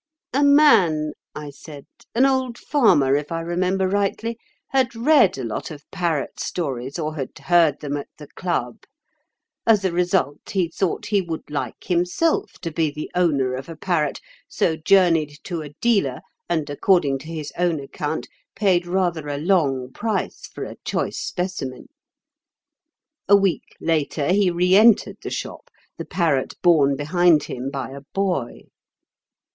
"A man," I said—"an old farmer, if I remember rightly—had read a lot of parrot stories, or had heard them at the club. As a result he thought he would like himself to be the owner of a parrot, so journeyed to a dealer and, according to his own account, paid rather a long price for a choice specimen. A week later he re entered the shop, the parrot borne behind him by a boy.